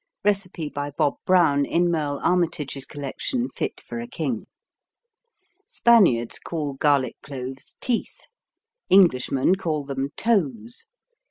(Recipe by Bob Brown in Merle Armitage's collection Fit for a King.) Spaniards call garlic cloves teeth, Englishmen call them toes.